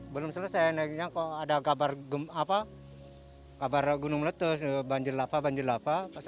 belum selesai nanya kok ada kabar gunung letus banjir lava banjir lava